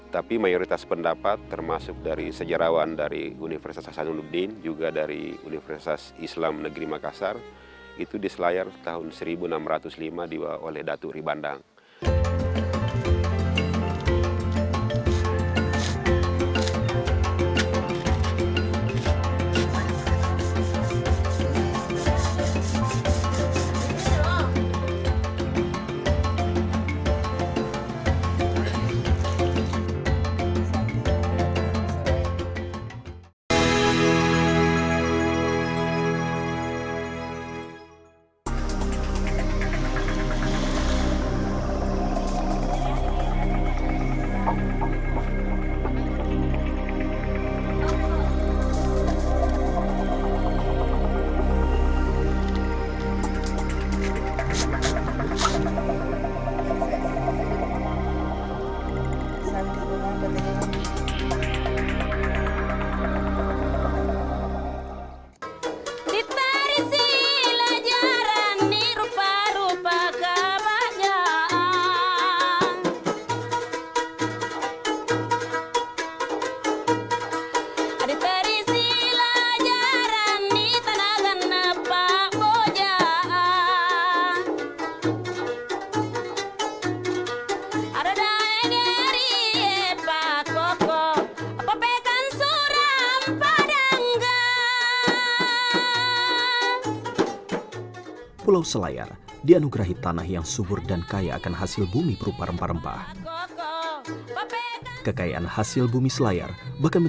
tapi mayoritas pendapat termasuk dari sejarawan dari universitas hasanul uddin